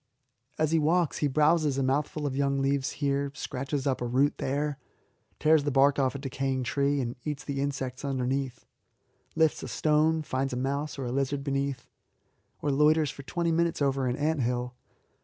As he walks he browses a mouthful of young leaves here, scratches up a root there, tears the bark off a decaying tree and eats the insects underneath, lifts a stone and finds a mouse or a lizard beneath, or loiters for twenty minutes over an ant hill.